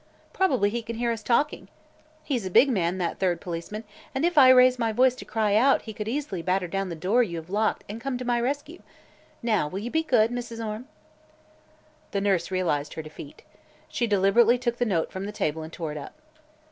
Probably he can hear us talking. He's a big man, that third policeman, and if I raise my voice to cry out he could easily batter down the door you have locked and come to my rescue. Now will you be good, Mrs. Orme?" The nurse realized her defeat. She deliberately took the note from the table and tore it up.